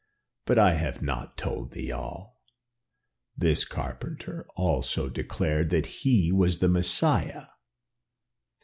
But I have not told thee all. This carpenter also declared that he was the Messiah."